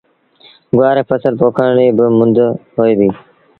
گُوآر ري ڦسل پوکڻ ريٚ با مند هوئي ديٚ۔